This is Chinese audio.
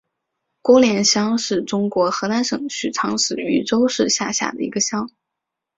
郭连乡是中国河南省许昌市禹州市下辖的一个乡。